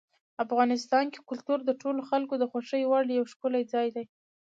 افغانستان کې کلتور د ټولو خلکو د خوښې وړ یو ښکلی ځای دی.